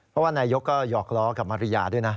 เพราะว่านายกก็หยอกล้อกับมาริยาด้วยนะ